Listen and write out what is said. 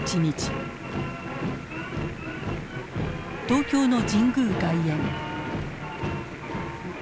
東京の神宮外苑。